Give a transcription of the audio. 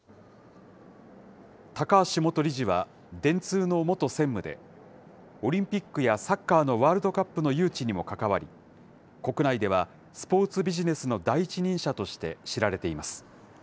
高橋元理事は、電通の元専務で、オリンピックやサッカーのワールドカップの誘致にも関わり、国内ではスポーツビジネスの第一人者として知られています。